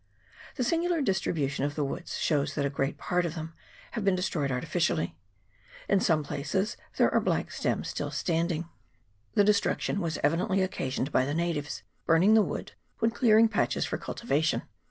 The singular distribution of the woods shows that a great part of them have been destroyed artificially. In some places there are the black stems still standing. The destruction was evidently occasioned by the natives burning the wood when clearing patches for cultivation.